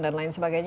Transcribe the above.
dan lain sebagainya